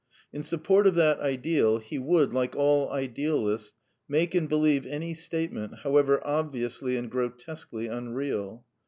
In support of that ideal, he would, like all idealists, make and believe any statement, however obviously and grotesquely unreal.